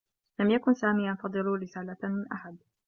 لم يكن سامي ينتظر رسالة من أحد.